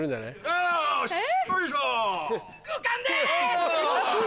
よし！